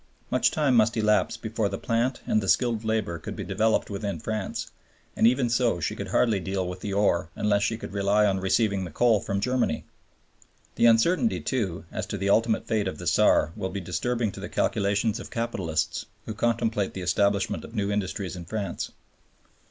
Much time must elapse before the plant and the skilled labor could be developed within France, and even so she could hardly deal with the ore unless she could rely on receiving the coal from Germany. The uncertainty, too, as to the ultimate fate of the Saar will be disturbing to the calculations of capitalists who contemplate the establishment of new industries in France.